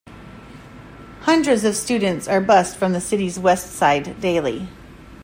Hundreds of students are bussed from the city's west side daily.